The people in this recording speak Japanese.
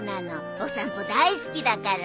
お散歩大好きだから。